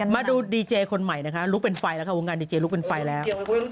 มาดูดีเจคนใหม่นะคะลุกเป็นไฟแล้วค่ะวงงานดีเจลุกเป็นไฟแล้ว